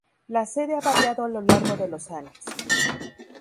La sede ha variado a lo largo de los años.